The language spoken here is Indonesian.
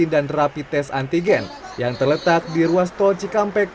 dan rapi tes antigen yang terletak di ruas tol cikampek